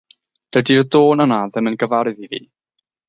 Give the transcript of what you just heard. Dydi'r dôn yna ddim yn gyfarwydd i fi.